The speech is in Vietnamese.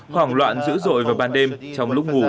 hoảng loạn dữ dội vào ban đêm trong lúc ngủ